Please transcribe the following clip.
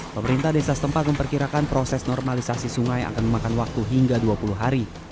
pemerintah desa setempat memperkirakan proses normalisasi sungai akan memakan waktu hingga dua puluh hari